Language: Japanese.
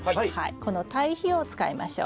この堆肥を使いましょう。